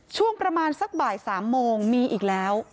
ช่วงประมาณสักบ่าย๓โมงมีอีกแล้ว